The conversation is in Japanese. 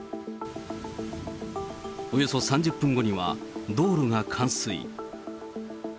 およそ３０分後には、道路が冠水。